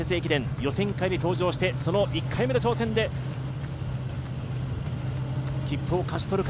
予選会に登場して１回目の挑戦で切符を勝ち取るか。